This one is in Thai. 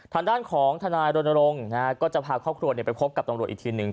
ทางด้านของทนายรณรงค์ก็จะพาครอบครัวไปพบกับตำรวจอีกทีหนึ่ง